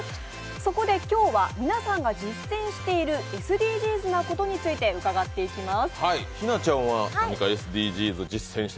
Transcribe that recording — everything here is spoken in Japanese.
そこで今日は、皆さんが実践しているＳＤＧｓなことについて伺っていきます。